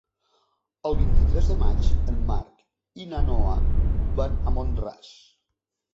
El vint-i-tres de maig en Marc i na Noa van a Mont-ras.